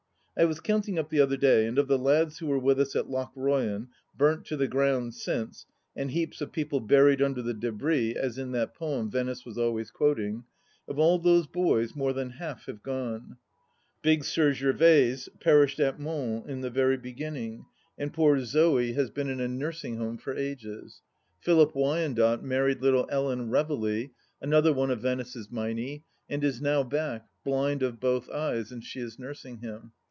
I was counting up the other day, and of the lads who were with us at Lochroyan — ^burnt to the ground since, and heaps of people buried under the d6bris, as in that poem Venice was always quoting — of all those boys more than half have gone. " Big Sir Gervaise " perished at Mons in the very beginning, and poor Zoe has • Note by Mrs. Peter Quinney : Lately t 191 192 THE LAST DITCH been in a Nursing Home for ages. Philip Wyandotte married little Ellen Reveley — another one of Venice's Meinie — and is now back, blind of both eyes, and she is nursing him.